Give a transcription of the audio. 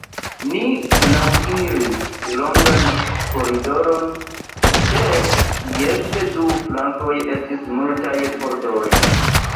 Ni laŭiris longan koridoron, ĉe kies du flankoj estis multaj pordoj.